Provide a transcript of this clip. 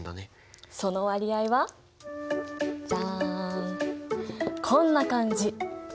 その割合はじゃん！こんな感じ。